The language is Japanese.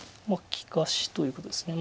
利かしということです。